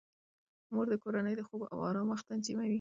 مور د کورنۍ د خوب او آرام وخت تنظیموي.